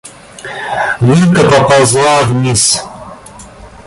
Люлька поползла вниз.